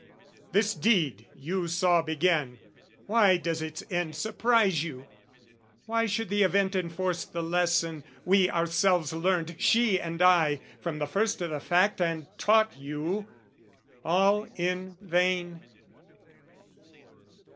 This deed, you saw begin why does its end Surprise you? Why should the event enforce The lesson, we ourselves learned, she and I, From the first o' the fact, and taught you, all in vain?